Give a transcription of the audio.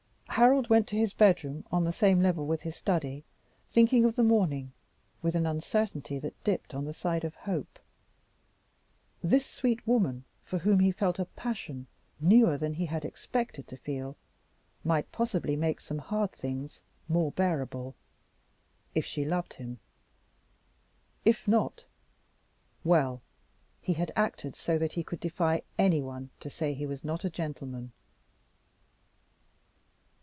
Harold went to his bedroom on the same level with his study, thinking of the morning with an uncertainty that dipped on the side of hope. This sweet woman, for whom he felt a passion newer than any he had expected to feel, might possibly make some hard things more bearable if she loved him. If not well, he had acted so that he could defy anyone to say he was not a gentleman.